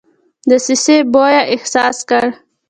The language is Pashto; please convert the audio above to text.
دسیسې بوی احساس کړ.